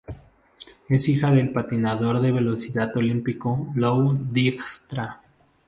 Es hija del patinador de velocidad olímpico Lou Dijkstra.